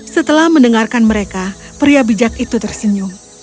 setelah mendengarkan mereka pria bijak itu tersenyum